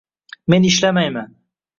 Men ishlamayman.